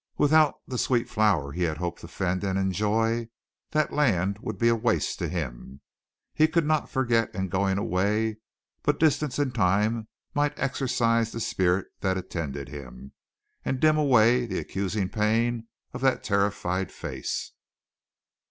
Without the sweet flower he had hoped to fend and enjoy, that land would be a waste to him. He could not forget in going away, but distance and time might exorcise the spirit that attended him, and dim away the accusing pain of that terrified face.